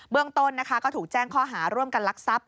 เรื่องต้นนะคะก็ถูกแจ้งข้อหาร่วมกันลักทรัพย